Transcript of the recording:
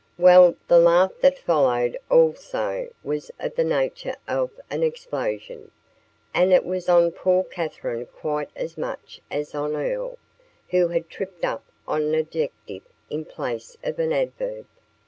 Well, the laugh that followed also was of the nature of an explosion. And it was on poor Katherine quite as much as on Earl, who had tripped up on an adjective in place of an adverb.